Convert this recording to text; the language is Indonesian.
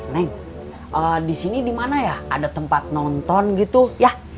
neng di sini di mana ya ada tempat nonton gitu ya